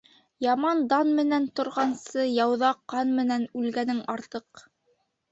Яман дан менән торғансы, яуҙа ҡан менән үлгәнең артыҡ.